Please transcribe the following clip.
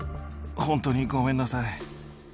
本当にごめんなさい。